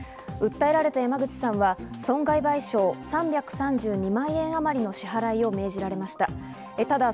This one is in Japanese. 訴えられた山口さんは損害賠償３３２万円あまりの支払いを命じられました。